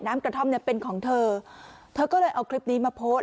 กระท่อมเนี่ยเป็นของเธอเธอก็เลยเอาคลิปนี้มาโพสต์